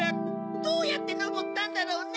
どうやってのぼったんだろうね？